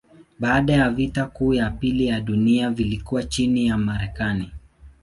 Baada ya vita kuu ya pili ya dunia vilikuwa chini ya Marekani.